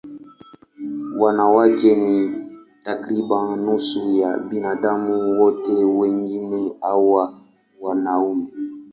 Wanawake ni takriban nusu ya binadamu wote, wengine huwa wanaume.